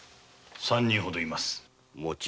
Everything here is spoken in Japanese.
三人ほどいます。